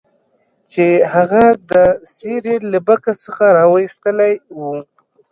چې هغه د سیریل له بکس څخه راویستلی و